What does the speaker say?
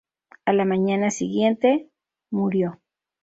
A la mañana siguiente, murió.